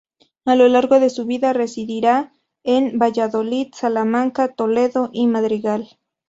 A lo largo de su vida residirá en Valladolid, Salamanca, Toledo y Madrigal.